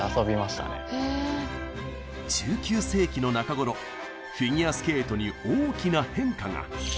１９世紀の中頃フィギュアスケートに大きな変化が。